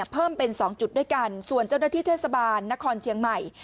เพิ่มเป็น๒จุดด้วยกันส่วนเจ้าหน้าที่เทศบาลนครเชียงใหม่